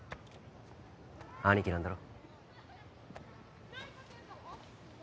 兄貴なんだろ。